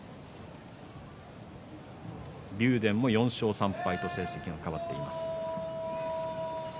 竜電も４勝３敗と成績が変わっています。